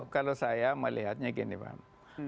kalau saya melihatnya gini bang